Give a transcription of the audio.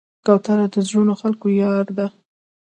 کوتره د زړو خلکو یار ده.